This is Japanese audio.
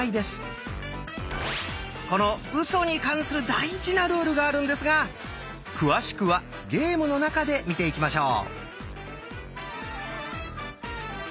この「ウソ」に関する大事なルールがあるんですが詳しくはゲームの中で見ていきましょう。